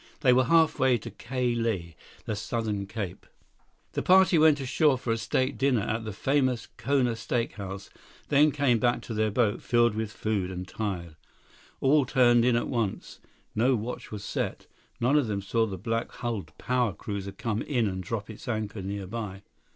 They were halfway to Ka Lae, the southern cape. The party went ashore for a steak dinner at the famous Kona Steak House, then came back to their boat filled with food and tired. All turned in at once. No watch was set. None of them saw the black hulled power cruiser come in and drop its anchor nearby.